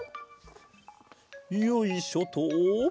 よいしょと。